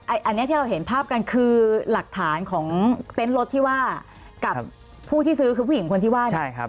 อันนี้ที่เราเห็นภาพกันคือหลักฐานของเต็นต์รถที่ว่ากับผู้ที่ซื้อคือผู้หญิงคนที่ว่าเนี่ย